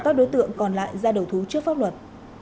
các đối tượng còn lại ra đầu thú trước pháp luật